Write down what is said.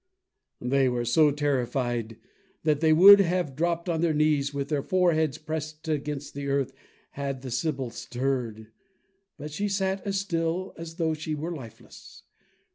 They were so terrified that they would have dropped on their knees with their foreheads pressed against the earth, had the sibyl stirred. But she sat as still as though she were lifeless.